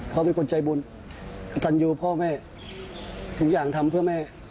เขาเป็นคนใจบุญกระตันยูพ่อแม่ทุกอย่างทำเพื่อแม่